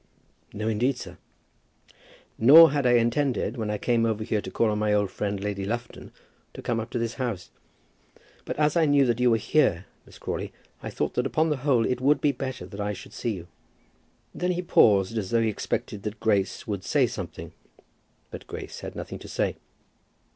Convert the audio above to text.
"No, indeed, sir." "Nor had I intended when I came over here to call on my old friend, Lady Lufton, to come up to this house. But as I knew that you were here, Miss Crawley, I thought that upon the whole it would be better that I should see you." Then he paused as though he expected that Grace would say something; but Grace had nothing to say.